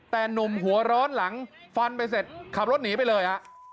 แต่หนุ่มหัวร้อนหลังฟันไปเสร็จขับรถหนีไปเลยฮะ